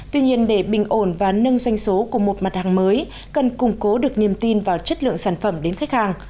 tuy nhiên để bình ổn và nâng doanh số của một mặt hàng mới cần củng cố được niềm tin vào chất lượng sản phẩm đến khách hàng